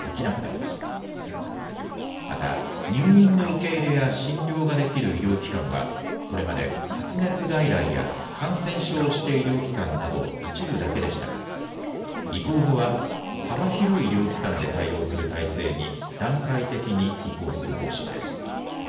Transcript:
また、入院の受け入れや診療ができる医療機関は、これまで発熱外来や、感染症指定医療機関など、一部だけでしたが、移行後は、幅広い医療機関で対応する体制に段階的に移行する方針です。